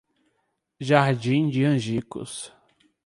Jardim de Angicos